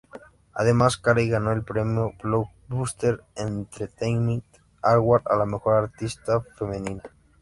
Además, Carey ganó el premio Blockbuster Entertainment Award a la Mejor Artista Femenina.